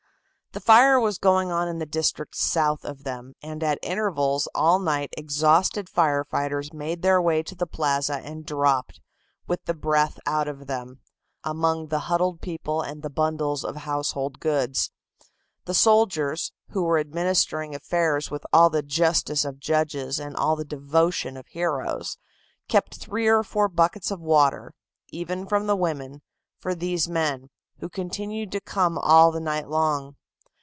The fire was going on in the district south of them, and at intervals all night exhausted fire fighters made their way to the plaza and dropped, with the breath out of them, among the huddled people and the bundles of household goods. The soldiers, who were administering affairs with all the justice of judges and all the devotion of heroes, kept three or four buckets of water, even from the women, for these men, who continued to come all the night long.